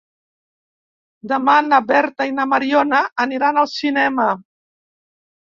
Demà na Berta i na Mariona aniran al cinema.